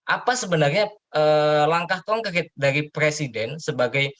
apa sebenarnya langkah konkret dari presiden sebagai